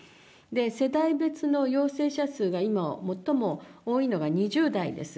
世代別の陽性者数が今、最も多いのが２０代です。